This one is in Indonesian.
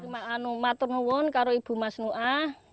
mak anu mak ternyata kalau ibu mas nuah